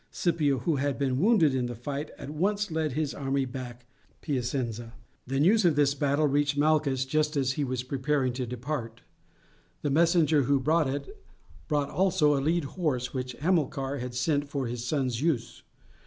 Scipio, who had been wounded in the fight, at once led his army back to Piacenza. The news of this battle reached Malchus just as he was preparing to depart. The messenger who brought it brought also a lead horse, which Hamilcar had sent for his son's use.